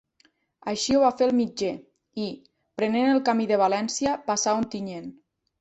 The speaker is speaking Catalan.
Així ho va fer el mitger i, prenent el camí de València, passà Ontinyent.